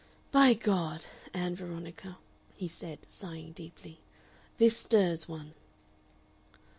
"By God! Ann Veronica," he said, sighing deeply. "This stirs one."